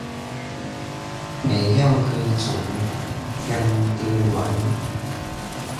袂曉開船，嫌溪彎